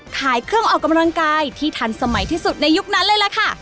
ขายเครื่องออกกำลังกายที่ทันสมัยที่สุดในยุคนั้นเลยล่ะค่ะ